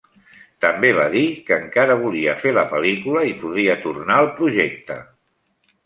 També va dir que encara volia fer la pel·lícula i podria tornar al projecte.